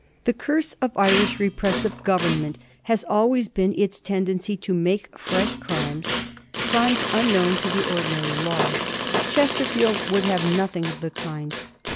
The curse of Irish repressive government has always been its tendency to make fresh crimes, crimes unknown to the ordinary law. Chestei*field would have nothing of the kind.